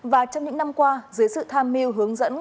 và trong những năm qua dưới sự tham mưu hướng dẫn